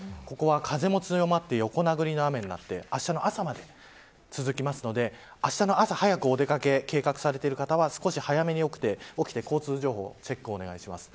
風も強まって横殴りの雨になってあしたの朝まで続くのであしたの朝早くお出掛けを計画されてる方は少し早めに起きて交通情報のチェックをお願いします。